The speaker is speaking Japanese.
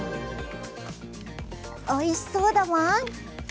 おいしそうだワン。